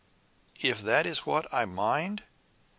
"If that is what I mind?